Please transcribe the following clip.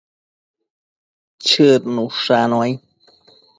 Chëd nushannuai